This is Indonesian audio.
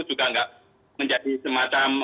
juga nggak menjadi semacam